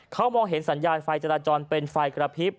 เขามองเห็นสัญญาณไฟจราจรเป็นไฟกระพริบ